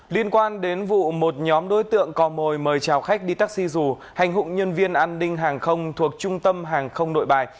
liên quan đến vụ một nhóm đối tượng cò mồi mời chào khách đi taxi dù hành hung nhân viên an ninh hàng không thuộc trung tâm hàng không nội bài